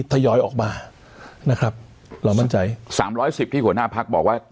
ทยอยออกมานะครับเรามั่นใจสามร้อยสิบที่หัวหน้าพักบอกว่า